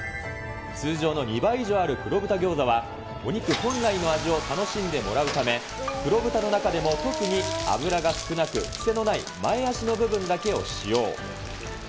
通常の２倍以上ある黒豚餃子はお肉本来の味を楽しんでもらうため、黒豚の中でも特に脂が少なく、癖のない前脚の部分だけを使用。